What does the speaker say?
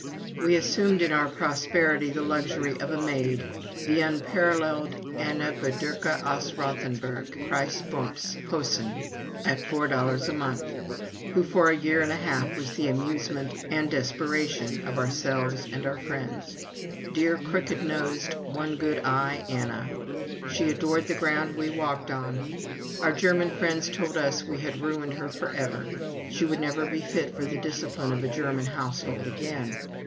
We assumed in our prosperity the luxury of a maid the unparalleled Anna Bederke aus Rothenburg, Kreis Bumps (?), Posen, at four dollars a month, who for a year and a half was the amusement and desperation of ourselves and our friends. Dear, crooked nosed, one good eye Anna! She adored the ground we walked on. Our German friends told us we had ruined her forever she would never be fit for the discipline of a German household again.